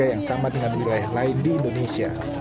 yang sama dengan wilayah lain di indonesia